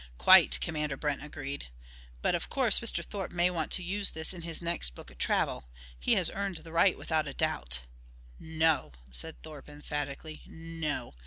"Quite," Commander Brent agreed, "but of course Mr. Thorpe may want to use this in his next book of travel. He has earned the right without doubt." "No," said Thorpe emphatically. "No!